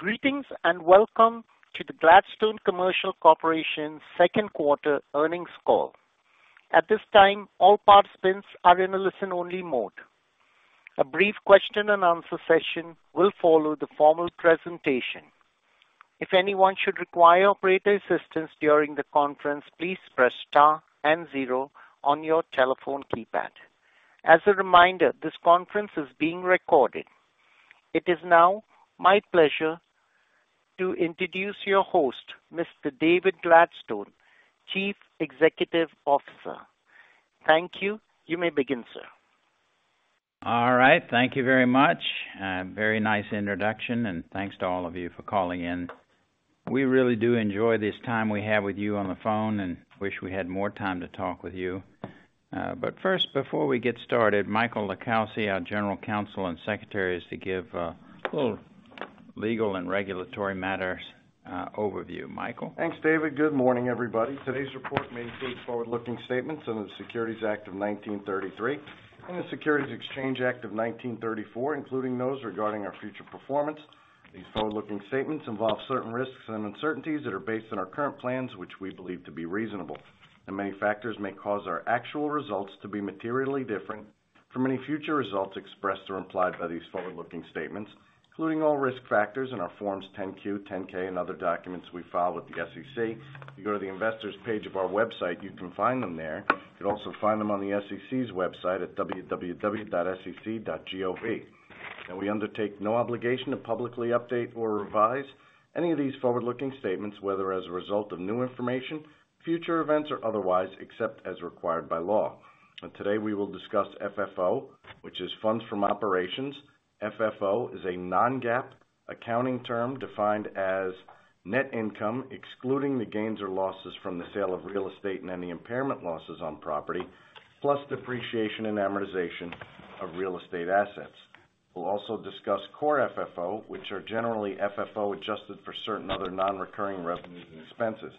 Greetings, and welcome to the Gladstone Commercial Corporation's second quarter earnings call. At this time, all participants are in a listen-only mode. A brief question and answer session will follow the formal presentation. If anyone should require operator assistance during the conference, please press star and zero on your telephone keypad. As a reminder, this conference is being recorded. It is now my pleasure to introduce your host, Mr. David Gladstone, Chief Executive Officer. Thank you. You may begin, sir. All right. Thank you very much. very nice introduction, and thanks to all of you for calling in. We really do enjoy this time we have with you on the phone and wish we had more time to talk with you. First, before we get started, Michael LiCalsi, our General Counsel and Secretary, is to give a little legal and regulatory matters overview. Michael? Thanks, David. Good morning, everybody. Today's report may include forward-looking statements in the Securities Act of 1933 and the Securities Exchange Act of 1934, including those regarding our future performance. These forward-looking statements involve certain risks and uncertainties that are based on our current plans, which we believe to be reasonable. Many factors may cause our actual results to be materially different from any future results expressed or implied by these forward-looking statements, including all risk factors in our Forms 10-Q, 10-K, and other documents we file with the SEC. If you go to the investors page of our website, you can find them there. You can also find them on the SEC's website at www.sec.gov. Now, we undertake no obligation to publicly update or revise any of these forward-looking statements, whether as a result of new information, future events, or otherwise, except as required by law. Today, we will discuss FFO, which is funds from operations. FFO is a non-GAAP accounting term defined as net income, excluding the gains or losses from the sale of real estate and any impairment losses on property, plus depreciation and amortization of real estate assets. We'll also discuss core FFO, which are generally FFO, adjusted for certain other non-recurring revenues and expenses.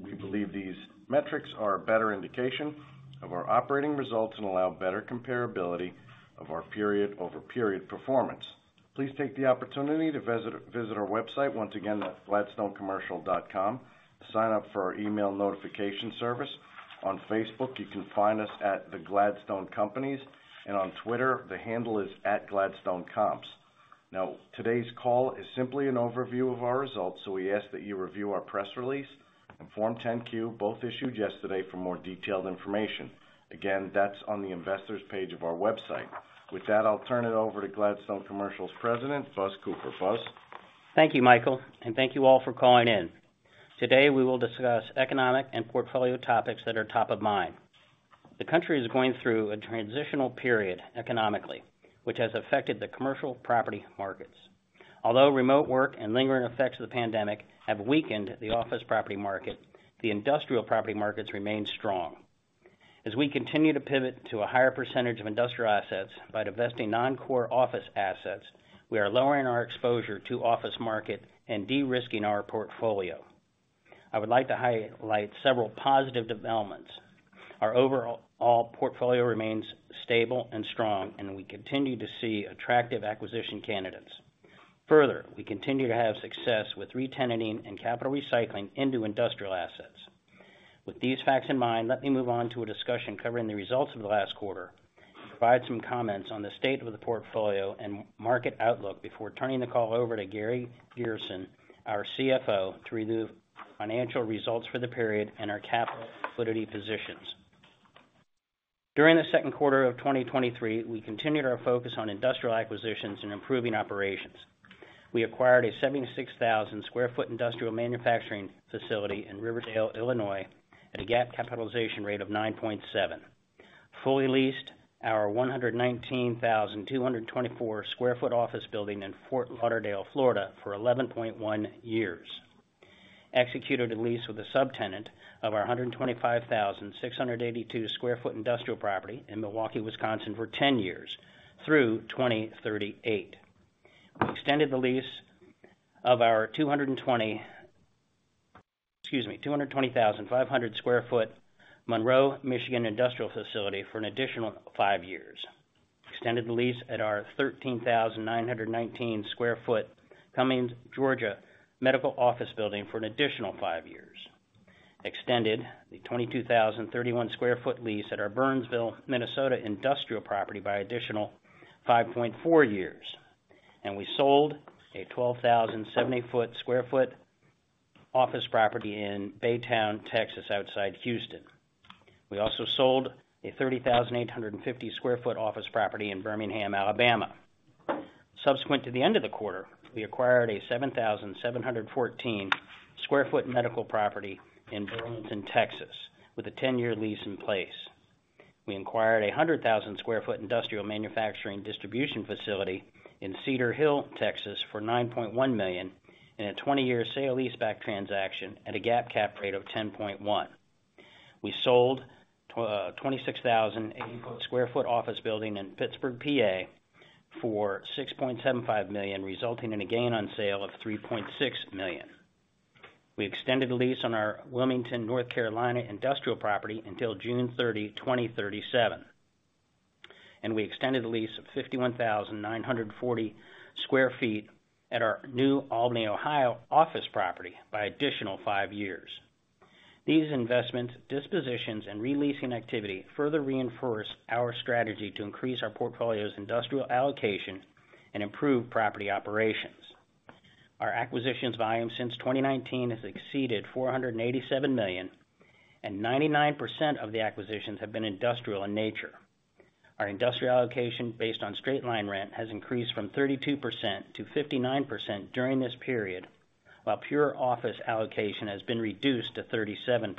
We believe these metrics are a better indication of our operating results and allow better comparability of our period-over-period performance. Please take the opportunity to visit our website, once again, at gladstonecommercial.com to sign up for our email notification service. On Facebook, you can find us at the Gladstone Companies, and on Twitter, the handle is at GladstoneComps. Today's call is simply an overview of our results, so we ask that you review our press release and Form 10-Q, both issued yesterday, for more detailed information. Again, that's on the investors page of our website. With that, I'll turn it over to Gladstone Commercial's President, Buzz Cooper. Buzz? Thank you, Michael. Thank you all for calling in. Today, we will discuss economic and portfolio topics that are top of mind. The country is going through a transitional period economically, which has affected the commercial property markets. Although remote work and lingering effects of the pandemic have weakened the office property market, the industrial property markets remain strong. As we continue to pivot to a higher percentage of industrial assets by divesting non-core office assets, we are lowering our exposure to office market and de-risking our portfolio. I would like to highlight several positive developments. Our overall portfolio remains stable and strong, and we continue to see attractive acquisition candidates. Further, we continue to have success with re-tenanting and capital recycling into industrial assets. With these facts in mind, let me move on to a discussion covering the results of the last quarter and provide some comments on the state of the portfolio and market outlook before turning the call over to Gary Gerson, our CFO, to review financial results for the period and our capital liquidity positions. During the second quarter of 2023, we continued our focus on industrial acquisitions and improving operations. We acquired a 76,000 sq ft industrial manufacturing facility in Riverdale, Illinois, at a GAAP capitalization rate of 9.7%. Fully leased our 119,224 sq ft office building in Fort Lauderdale, Florida, for 11.1 years. Executed a lease with a subtenant of our 125,682 sq ft industrial property in Milwaukee, Wisconsin, for 10 years through 2038. We extended the lease of our 220,500 sq ft Monroe, Michigan, industrial facility for an additional 5 years. Extended the lease at our 13,919 sq ft Cumming, Georgia, medical office building for an additional five years. Extended the 22,031 sq ft lease at our Burnsville, Minnesota, industrial property by additional 5.4 years. We sold a 12,070-foot sq ft office property in Baytown, Texas, outside Houston. We also sold a 30,850 sq ft office property in Birmingham, Alabama. Subsequent to the end of the quarter, we acquired a 7,714 sq ft medical property in Burleson, Texas, with a 10-year lease in place. We acquired a 100,000 sq ft industrial manufacturing distribution facility in Cedar Hill, Texas, for $9.1 million in a 20-year sale-leaseback transaction at a GAAP cap rate of 10.1. We sold 26,080-foot sq ft office building in Pittsburgh, PA, for $6.75 million, resulting in a gain on sale of $3.6 million. We extended the lease on our Wilmington, North Carolina, industrial property until June 30, 2037. We extended the lease of 51,940 sq ft at our New Albany, Ohio office property by additional five years. These investments, dispositions, and re-leasing activity further reinforce our strategy to increase our portfolio's industrial allocation and improve property operations. Our acquisitions volume since 2019 has exceeded $487 million, and 99% of the acquisitions have been industrial in nature. Our industrial allocation, based on straight line rent, has increased from 32% to 59% during this period, while pure office allocation has been reduced to 37%.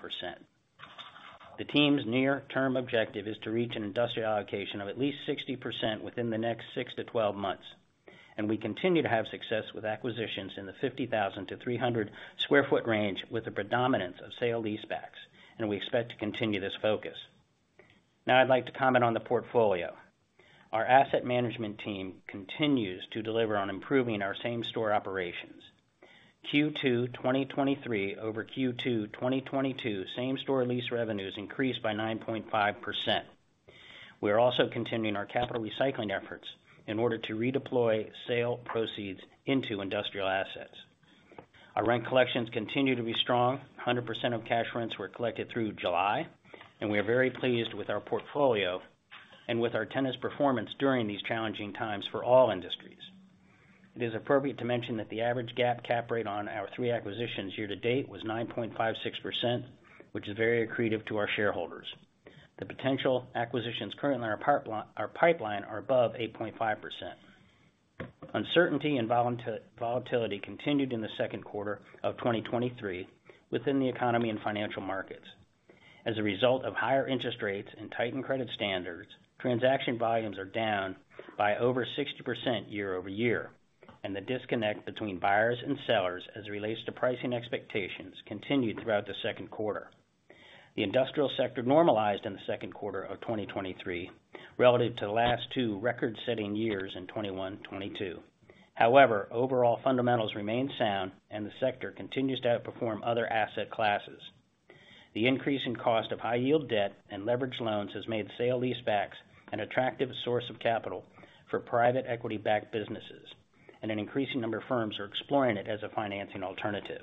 The team's near-term objective is to reach an industrial allocation of at least 60% within the next 6-12 months, and we continue to have success with acquisitions in the 50,000-300 sq ft range with a predominance of sale-leasebacks, and we expect to continue this focus. Now I'd like to comment on the portfolio. Our asset management team continues to deliver on improving our same store operations. Q2 2023 over Q2 2022, same store lease revenues increased by 9.5%. We are also continuing our capital recycling efforts in order to redeploy sale proceeds into industrial assets. Our rent collections continue to be strong. 100% of cash rents were collected through July, and we are very pleased with our portfolio and with our tenants' performance during these challenging times for all industries. It is appropriate to mention that the average GAAP cap rate on our three acquisitions year to date was 9.56%, which is very accretive to our shareholders. The potential acquisitions currently in our pipeline, our pipeline, are above 8.5%. Uncertainty and volatility continued in the second quarter of 2023 within the economy and financial markets. As a result of higher interest rates and tightened credit standards, transaction volumes are down by over 60% year-over-year, the disconnect between buyers and sellers as it relates to pricing expectations, continued throughout the second quarter. The industrial sector normalized in the second quarter of 2023 relative to the last two record-setting years in 2021, 2022. However, overall fundamentals remain sound, and the sector continues to outperform other asset classes. The increase in cost of high-yield debt and leveraged loans has made sale-leasebacks an attractive source of capital for private equity-backed businesses, and an increasing number of firms are exploring it as a financing alternative.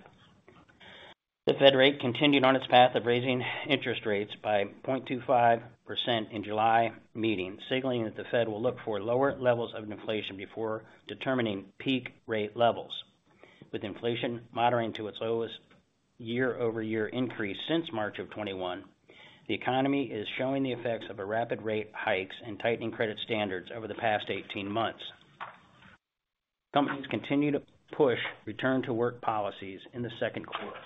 The Fed rate continued on its path of raising interest rates by 0.25% in July meeting, signaling that the Fed will look for lower levels of inflation before determining peak rate levels. With inflation moderating to its lowest year-over-year increase since March of 2021, the economy is showing the effects of a rapid rate hikes and tightening credit standards over the past 18 months. Companies continue to push return-to-work policies in the second quarter.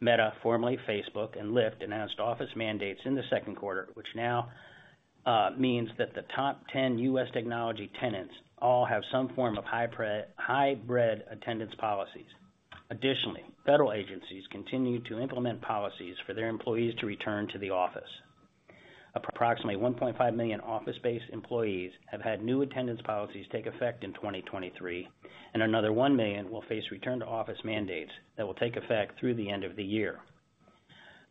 Meta, formerly Facebook, and Lyft announced office mandates in the second quarter, which now means that the top 10 U.S. technology tenants all have some form of hybrid attendance policies. Federal agencies continue to implement policies for their employees to return to the office. Approximately 1.5 million office-based employees have had new attendance policies take effect in 2023. Another 1 million will face return-to-office mandates that will take effect through the end of the year.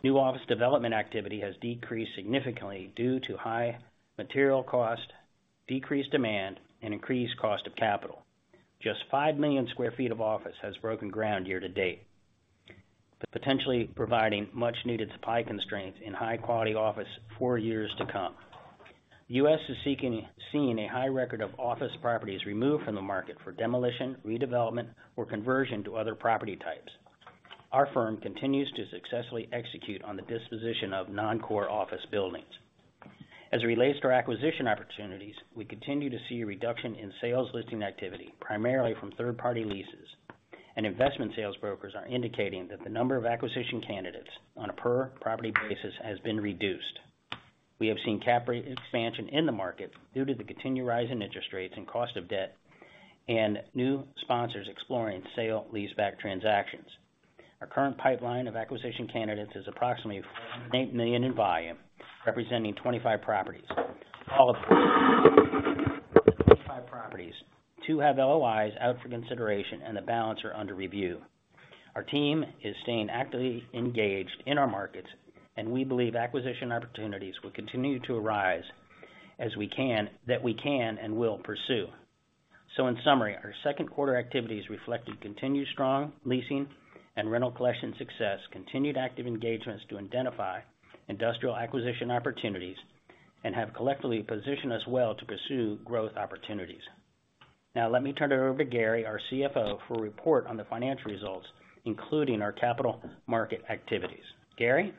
New office development activity has decreased significantly due to high material cost, decreased demand, and increased cost of capital. Just 5 million sq ft of office has broken ground year to date, potentially providing much-needed supply constraints in high-quality office for years to come. The U.S. is seeing a high record of office properties removed from the market for demolition, redevelopment, or conversion to other property types. Our firm continues to successfully execute on the disposition of non-core office buildings. As it relates to our acquisition opportunities, we continue to see a reduction in sales listing activity, primarily from third-party leases. Investment sales brokers are indicating that the number of acquisition candidates on a per-property basis has been reduced. We have seen cap rate expansion in the market due to the continued rise in interest rates and cost of debt. New sponsors exploring sale-leaseback transactions. Our current pipeline of acquisition candidates is approximately $4 million in volume, representing 25 properties. All of the 25 properties, two have LOIs out for consideration. The balance are under review. Our team is staying actively engaged in our markets, and we believe acquisition opportunities will continue to arise that we can and will pursue. In summary, our second quarter activities reflected continued strong leasing and rental collection success, continued active engagements to identify industrial acquisition opportunities, and have collectively positioned us well to pursue growth opportunities. Now, let me turn it over to Gary, our CFO, for a report on the financial results, including our capital market activities. Gary?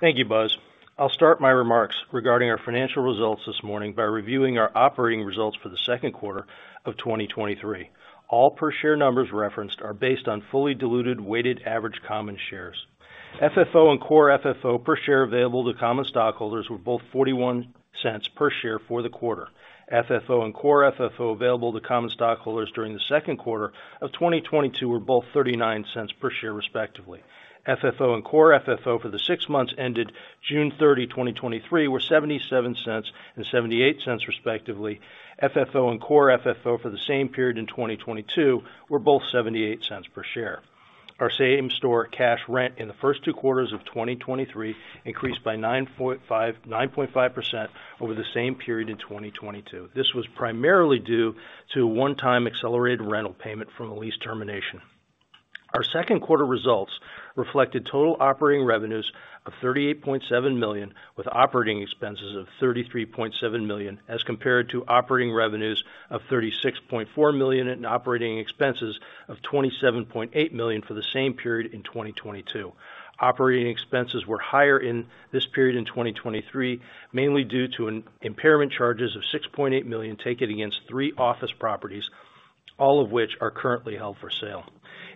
Thank you, Buzz. I'll start my remarks regarding our financial results this morning by reviewing our operating results for the second quarter of 2023. All per share numbers referenced are based on fully diluted weighted average common shares. FFO and core FFO per share available to common stockholders were both $0.41 per share for the quarter. FFO and core FFO available to common stockholders during the second quarter of 2022 were both $0.39 per share, respectively. FFO and core FFO for the six months ended June 30, 2023, were $0.77 and $0.78, respectively. FFO and core FFO for the same period in 2022 were both $0.78 per share. Our same-store cash rent in the first two quarters of 2023 increased by 9.5%, 9.5% over the same period in 2022. This was primarily due to a one-time accelerated rental payment from a lease termination. Our second quarter results reflected total operating revenues of $38.7 million, with operating expenses of $33.7 million, as compared to operating revenues of $36.4 million and operating expenses of $27.8 million for the same period in 2022. Operating expenses were higher in this period in 2023, mainly due to an impairment charges of $6.8 million taken against three office properties, all of which are currently held for sale.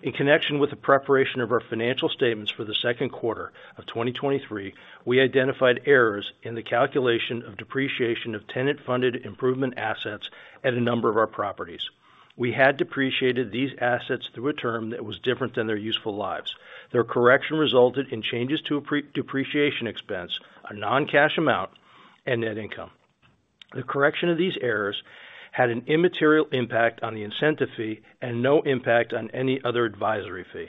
In connection with the preparation of our financial statements for the second quarter of 2023, we identified errors in the calculation of depreciation of tenant-funded improvement assets at a number of our properties. We had depreciated these assets through a term that was different than their useful lives. Their correction resulted in changes to depreciation expense, a non-cash amount, and net income. The correction of these errors had an immaterial impact on the incentive fee and no impact on any other advisory fee.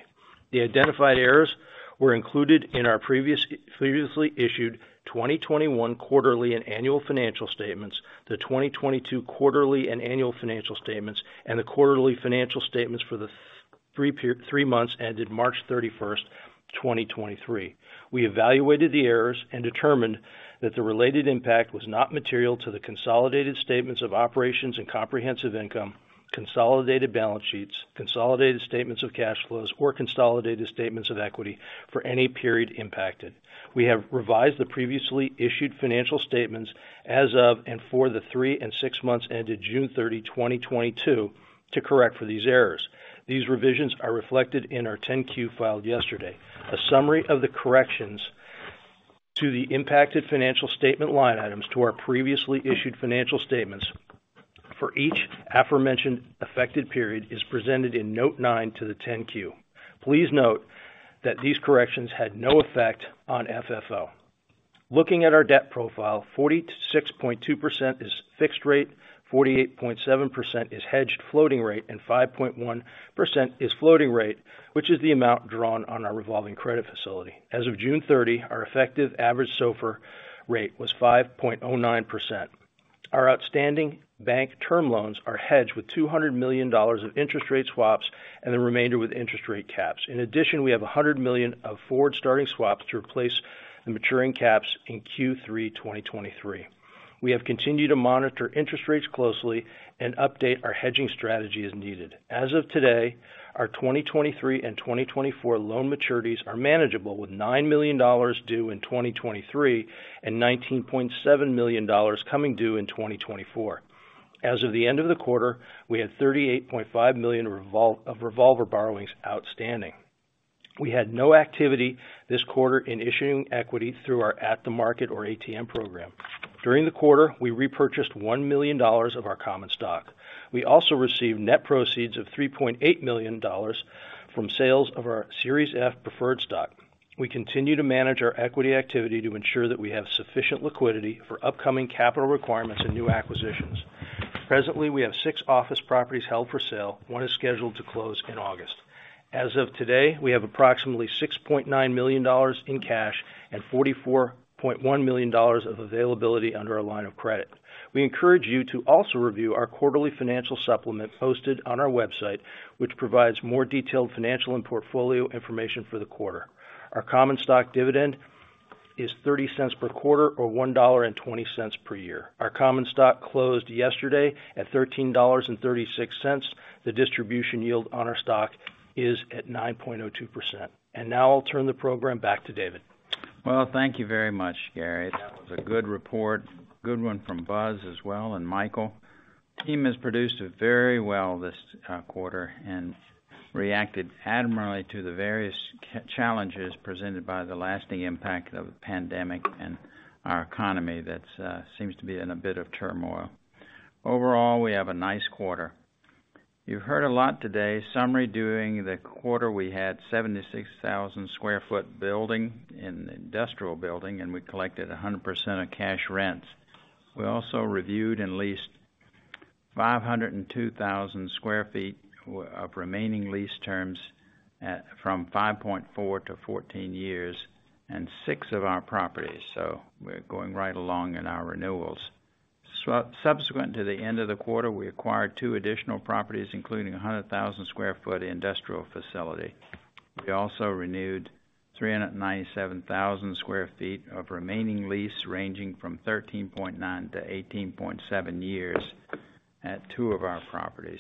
The identified errors were included in our previous, previously issued 2021 quarterly and annual financial statements, the 2022 quarterly and annual financial statements, and the quarterly financial statements for the three months ended March 31, 2023. We evaluated the errors and determined that the related impact was not material to the consolidated statements of operations and comprehensive income, consolidated balance sheets, consolidated statements of cash flows, or consolidated statements of equity for any period impacted. We have revised the previously issued financial statements as of and for the three and six months ended June 30, 2022 to correct for these errors. These revisions are reflected in our 10-Q filed yesterday. A summary of the corrections to the impacted financial statement line items to our previously issued financial statements for each aforementioned affected period is presented in note nine to the 10-Q. Please note that these corrections had no effect on FFO. Looking at our debt profile, 46.2% is fixed rate, 48.7% is hedged floating rate, and 5.1% is floating rate, which is the amount drawn on our revolving credit facility. As of June 30, our effective average SOFR rate was 5.09%. Our outstanding bank term loans are hedged with $200 million of interest rate swaps and the remainder with interest rate caps. In addition, we have $100 million of forward starting swaps to replace the maturing caps in Q3 2023. We have continued to monitor interest rates closely and update our hedging strategy as needed. As of today, our 2023 and 2024 loan maturities are manageable, with $9 million due in 2023 and $19.7 million coming due in 2024. As of the end of the quarter, we had $38.5 million of revolver borrowings outstanding. We had no activity this quarter in issuing equity through our at-the-market or ATM program. During the quarter, we repurchased $1 million of our common stock. We also received net proceeds of $3.8 million from sales of our Series F preferred stock. We continue to manage our equity activity to ensure that we have sufficient liquidity for upcoming capital requirements and new acquisitions. Presently, we have six office properties held for sale. One is scheduled to close in August. As of today, we have approximately $6.9 million in cash and $44.1 million of availability under our line of credit. We encourage you to also review our quarterly financial supplement posted on our website, which provides more detailed financial and portfolio information for the quarter. Our common stock dividend is $0.30 per quarter, or $1.20 per year. Our common stock closed yesterday at $13.36. The distribution yield on our stock is at 9.02%. Now I'll turn the program back to David. Well, thank you very much, Gary. That was a good report. Good one from Buzz as well, and Michael. The team has produced it very well this quarter and reacted admirably to the various challenges presented by the lasting impact of the pandemic and our economy that seems to be in a bit of turmoil. Overall, we have a nice quarter. You've heard a lot today, summary during the quarter, we had 76,000 sq ft building in the industrial building, and we collected 100% of cash rents. We also reviewed and leased 502,000 sq ft of remaining lease terms from 5.4 to 14 years and six of our properties. We're going right along in our renewals. Subsequent to the end of the quarter, we acquired two additional properties, including a 100,000 sq ft industrial facility. We also renewed 397,000 sq ft of remaining lease, ranging from 13.9-18.7 years at 2 of our properties.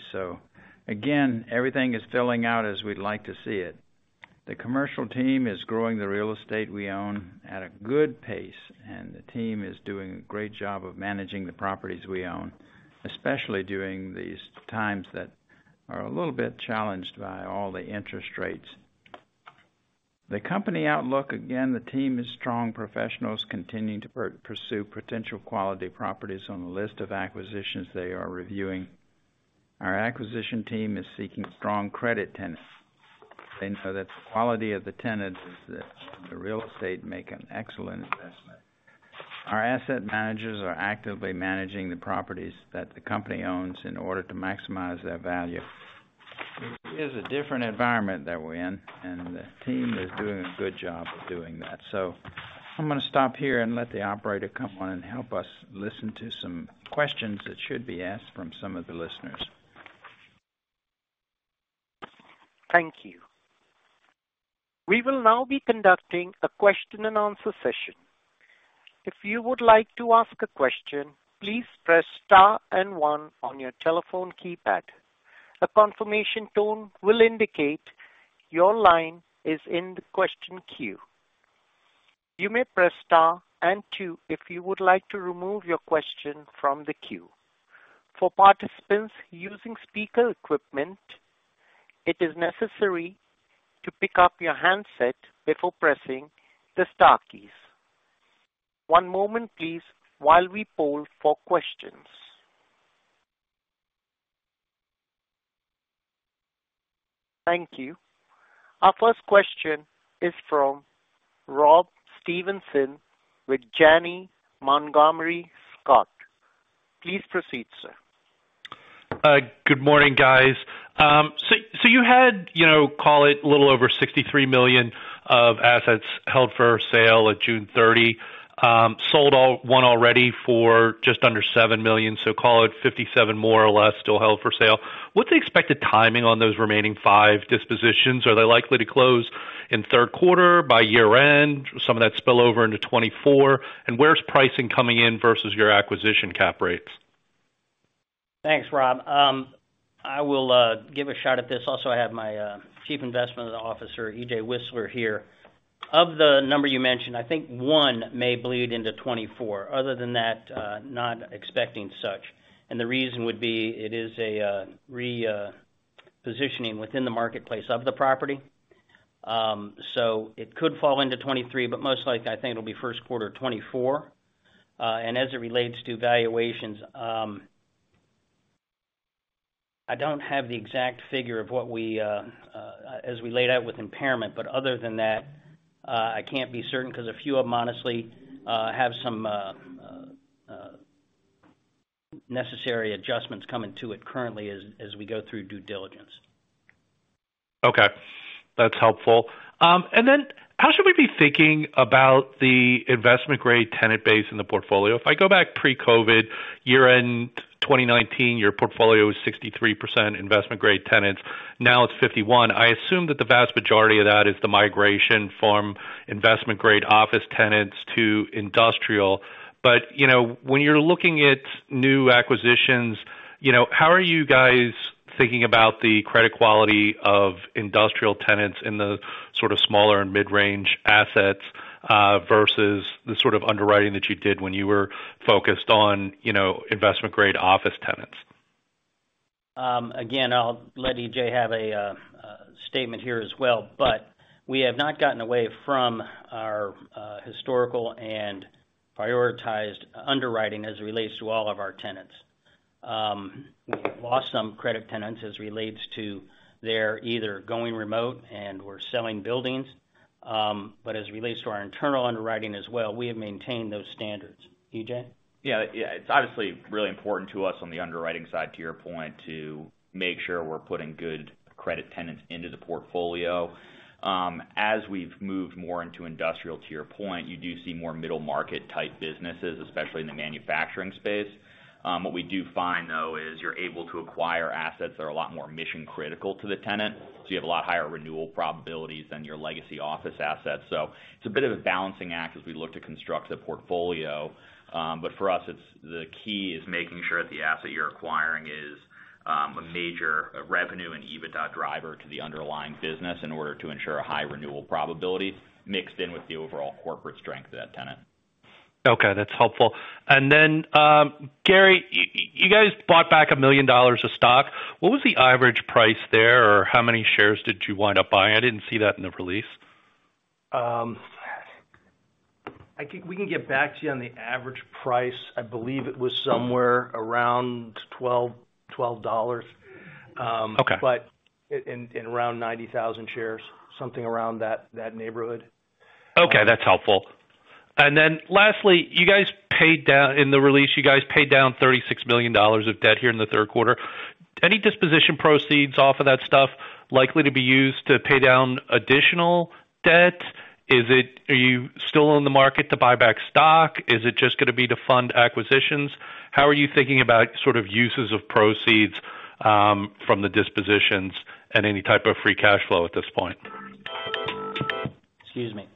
Again, everything is filling out as we'd like to see it. The commercial team is growing the real estate we own at a good pace, and the team is doing a great job of managing the properties we own, especially during these times that are a little bit challenged by all the interest rates. The company outlook, again, the team is strong professionals continuing to pursue potential quality properties on the list of acquisitions they are reviewing. Our acquisition team is seeking strong credit tenants, and so that the quality of the tenants is that the real estate make an excellent investment. Our asset managers are actively managing the properties that the company owns in order to maximize their value. It is a different environment that we're in, and the team is doing a good job of doing that. I'm going to stop here and let the operator come on and help us listen to some questions that should be asked from some of the listeners. Thank you. We will now be conducting a question-and-answer session. If you would like to ask a question, please press star and one on your telephone keypad. A confirmation tone will indicate your line is in the question queue. You may press star and two if you would like to remove your question from the queue. For participants using speaker equipment, it is necessary to pick up your handset before pressing the star keys. One moment please, while we poll for questions. Thank you. Our first question is from Rob Stevenson with Janney Montgomery Scott. Please proceed, sir. Good morning, guys. So, so you had, you know, call it a little over $63 million of assets held for sale at June 30, sold all- one already for just under $7 million, so call it $57 million, more or less, still held for sale. What's the expected timing on those remaining five dispositions? Are they likely to close in third quarter, by year-end, some of that spill over into 2024? Where's pricing coming in versus your acquisition cap rates? Thanks, Rob. I will give a shot at this. Also, I have my Chief Investment Officer, EJ Wislar, here. Of the number you mentioned, I think one may bleed into 2024. Other than that, not expecting such. The reason would be, it is a repositioning within the marketplace of the property. So it could fall into 2023, but most likely, I think it'll be first quarter of 2024. As it relates to valuations, I don't have the exact figure of what we as we laid out with impairment, but other than that, I can't be certain, 'cause a few of them, honestly, have some necessary adjustments coming to it currently as we go through due diligence. Okay, that's helpful. How should we be thinking about the investment-grade tenant base in the portfolio? If I go back pre-COVID, year-end 2019, your portfolio was 63% investment-grade tenants, now it's 51%. You know, when you're looking at new acquisitions, you know, how are you guys thinking about the credit quality of industrial tenants in the sort of smaller and mid-range assets, versus the sort of underwriting that you did when you were focused on, you know, investment-grade office tenants? Again, I'll let EJ have a statement here as well. We have not gotten away from our historical and prioritized underwriting as it relates to all of our tenants. We've lost some credit tenants as it relates to their either going remote and/or selling buildings. As it relates to our internal underwriting as well, we have maintained those standards. EJ? Yeah, yeah, it's obviously really important to us on the underwriting side, to your point, to make sure we're putting good credit tenants into the portfolio. As we've moved more into industrial, to your point, you do see more middle-market-type businesses, especially in the manufacturing space. What we do find, though, is you're able to acquire assets that are a lot more mission-critical to the tenant, so you have a lot higher renewal probabilities than your legacy office assets. It's a bit of a balancing act as we look to construct the portfolio. But for us, it's the key is making sure that the asset you're acquiring is a major revenue and EBITDA driver to the underlying business in order to ensure a high renewal probability mixed in with the overall corporate strength of that tenant. Okay, that's helpful. Then, Gary, you guys bought back $1 million of stock. What was the average price there, or how many shares did you wind up buying? I didn't see that in the release. I think we can get back to you on the average price. I believe it was somewhere around $12. Okay. In, in around 90,000 shares, something around that, that neighborhood. Okay, that's helpful. Lastly, in the release, you guys paid down $36 million of debt here in the third quarter. Any disposition proceeds off of that stuff likely to be used to pay down additional debt? Are you still in the market to buy back stock? Is it just going to be to fund acquisitions? How are you thinking about sort of uses of proceeds from the dispositions and any type of free cash flow at this point? Excuse me.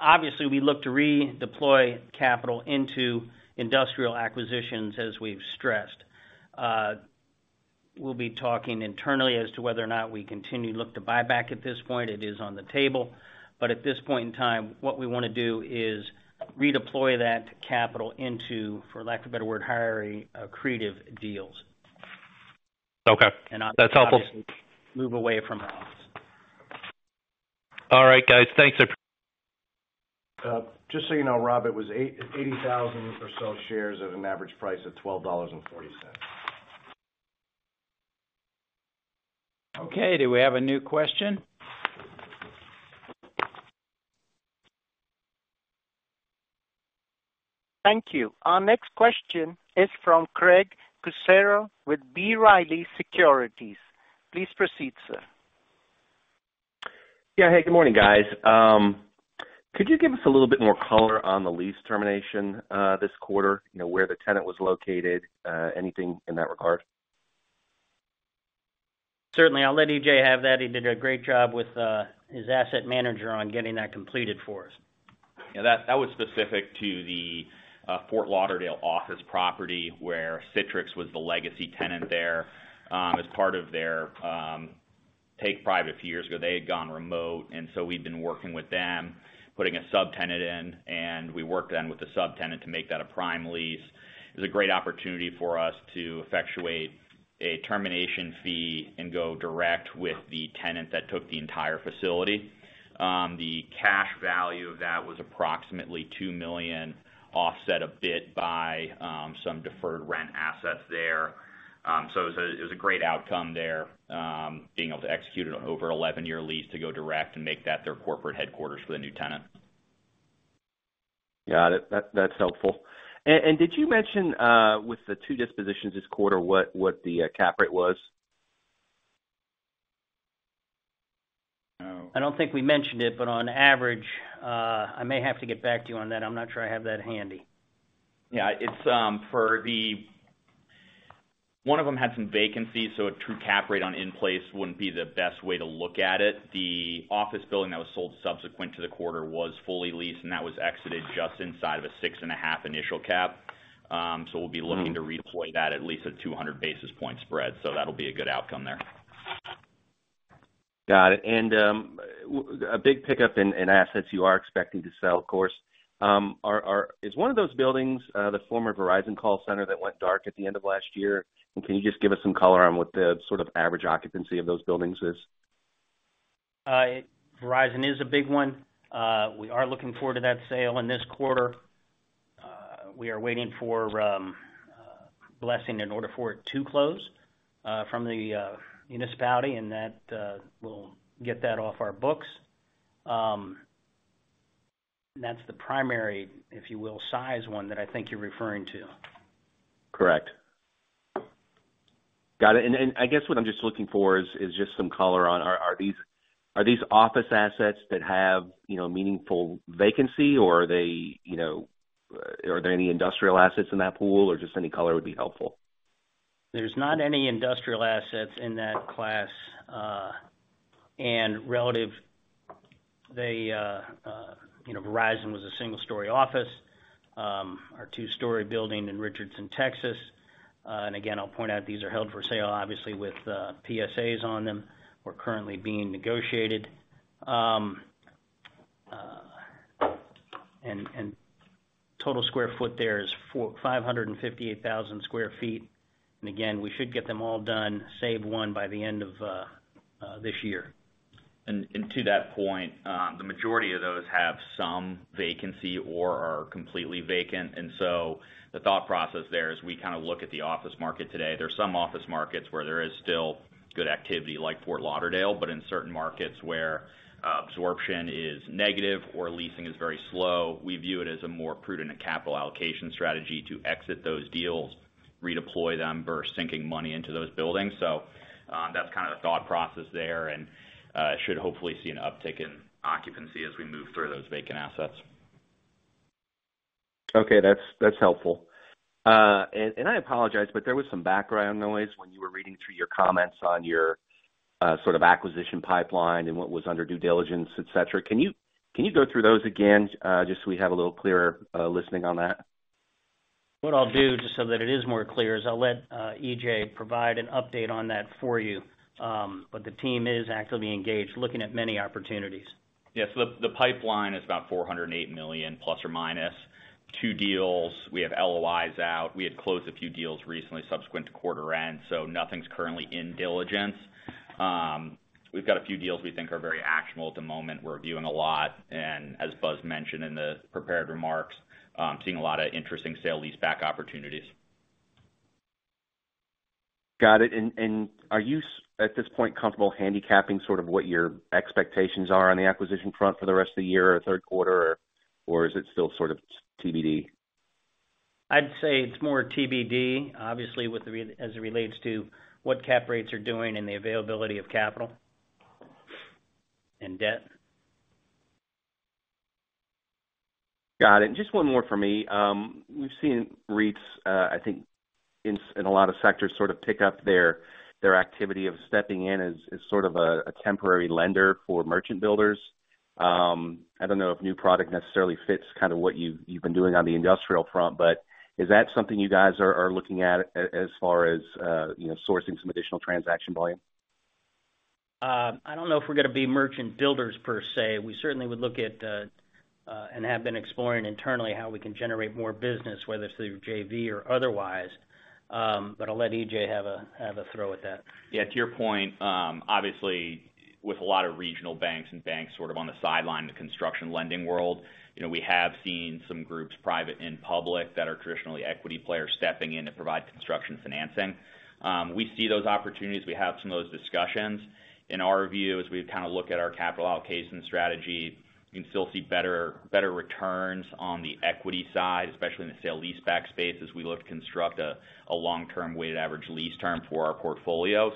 Obviously, we look to redeploy capital into industrial acquisitions, as we've stressed. We'll be talking internally as to whether or not we continue to look to buy back at this point. It is on the table, but at this point in time, what we want to do is redeploy that capital into, for lack of a better word, higher, accretive deals. Okay. That's helpful. Move away from office. All right, guys. Thanks- Just so you know, Rob, it was 80,000 or so shares at an average price of $12.40. Okay, do we have a new question? Thank you. Our next question is from Craig Kucera with B. Riley Securities. Please proceed, sir. Yeah. Hey, good morning, guys. Could you give us a little bit more color on the lease termination this quarter? You know, where the tenant was located, anything in that regard? Certainly. I'll let EJ have that. He did a great job with his asset manager on getting that completed for us. Yeah, that, that was specific to the Fort Lauderdale office property, where Citrix was the legacy tenant there. As part of their take private a few years ago, they had gone remote, and so we'd been working with them, putting a subtenant in, and we worked then with the subtenant to make that a prime lease. It was a great opportunity for us to effectuate a termination fee and go direct with the tenant that took the entire facility. The cash value of that was approximately $2 million, offset a bit by some deferred rent assets there. It was a, it was a great outcome there, being able to execute an over 11-year lease to go direct and make that their corporate headquarters for the new tenant. Got it. That's helpful. And did you mention, with the two dispositions this quarter, what the cap rate was? I don't think we mentioned it, but on average, I may have to get back to you on that. I'm not sure I have that handy. Yeah, it's. One of them had some vacancies, so a true cap rate on in-place wouldn't be the best way to look at it. The office building that was sold subsequent to the quarter was fully leased, and that was exited just inside of a six and a half initial cap. We'll be to redeploy that at least a 200 basis point spread. That'll be a good outcome there. Got it. A big pickup in, in assets you are expecting to sell, of course. Is one of those buildings, the former Verizon call center that went dark at the end of last year? Can you just give us some color on what the sort of average occupancy of those buildings is? Verizon is a big one. We are looking forward to that sale in this quarter. We are waiting for blessing in order for it to close from the municipality, and that we'll get that off our books. That's the primary, if you will, size one that I think you're referring to. Correct. Got it. I guess what I'm just looking for is, is just some color on are, are these, are these office assets that have, you know, meaningful vacancy, or are they, you know, are there any industrial assets in that pool, or just any color would be helpful? There's not any industrial assets in that class, relative, they. You know, Verizon was a single-story office, our two-story building in Richardson, Texas. Again, I'll point out, these are held for sale, obviously, with PSAs on them. We're currently being negotiated. Total square feet there is 558,000 sq ft. Again, we should get them all done, save one, by the end of this year. To that point, the majority of those have some vacancy or are completely vacant. The thought process there is, we kind of look at the office market today. There's some office markets where there is still good activity, like Fort Lauderdale, but in certain markets where absorption is negative or leasing is very slow, we view it as a more prudent and capital allocation strategy to exit those deals, redeploy them, versus sinking money into those buildings. That's kind of the thought process there, and it should hopefully see an uptick in occupancy as we move through those vacant assets. Okay, that's, that's helpful. I apologize, but there was some background noise when you were reading through your comments on your sort of acquisition pipeline and what was under due diligence, et cetera. Can you, can you go through those again, just so we have a little clearer listening on that? What I'll do, just so that it is more clear, is I'll let, EJ provide an update on that for you. The team is actively engaged, looking at many opportunities. Yeah. The, the pipeline is about $408 million, ±2 deals. We have LOIs out. We had closed a few deals recently, subsequent to quarter end. Nothing's currently in diligence. We've got a few deals we think are very actionable at the moment. We're reviewing a lot, as Buzz mentioned in the prepared remarks, seeing a lot of interesting sale-leaseback opportunities. Got it. And are you at this point, comfortable handicapping sort of what your expectations are on the acquisition front for the rest of the year or third quarter, or is it still sort of TBD? I'd say it's more TBD, obviously, with the re- as it relates to what cap rates are doing and the availability of capital... and debt. Got it. Just one more for me. We've seen REITs, I think, in, in a lot of sectors, sort of pick up their, their activity of stepping in as, as sort of a, a temporary lender for merchant builders. I don't know if new product necessarily fits kind of what you've, you've been doing on the industrial front, but is that something you guys are, are looking at, as, as far as, you know, sourcing some additional transaction volume? I don't know if we're gonna be merchant builders per se. We certainly would look at, and have been exploring internally how we can generate more business, whether it's through JV or otherwise. I'll let EJ have a, have a throw at that. Yeah, to your point, obviously, with a lot of regional banks and banks sort of on the sideline of the construction lending world, you know, we have seen some groups, private and public, that are traditionally equity players, stepping in to provide construction financing. We see those opportunities. We have some of those discussions. In our view, as we kind of look at our capital allocation strategy, we can still see better, better returns on the equity side, especially in the sale-leaseback space, as we look to construct a long-term weighted average lease term for our portfolio.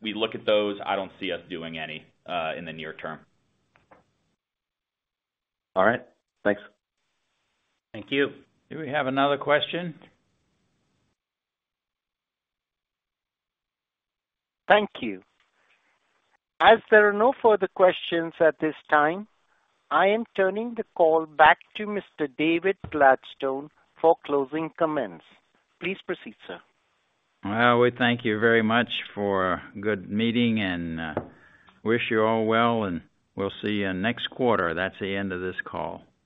We look at those. I don't see us doing any in the near term. All right. Thanks. Thank you. Do we have another question? Thank you. As there are no further questions at this time, I am turning the call back to Mr. David Gladstone for closing comments. Please proceed, sir. Well, we thank you very much for a good meeting, and wish you all well, and we'll see you next quarter. That's the end of this call.